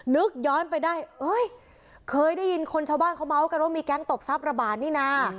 นึกย้อนไปได้เอ้ยเคยได้ยินคนชาวบ้านเขาเมาส์กันว่ามีแก๊งตบทรัพระบาดนี่นะ